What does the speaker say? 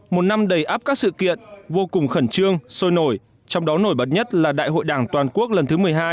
một năm đầy áp các sự kiện vô cùng khẩn trương sôi nổi trong đó nổi bật nhất là đại hội đảng toàn quốc lần thứ một mươi hai